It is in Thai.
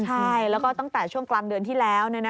ใช่แล้วก็ตั้งแต่ช่วงกลางเดือนที่แล้ว